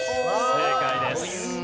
正解です。